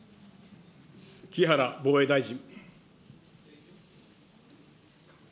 木原防衛大臣。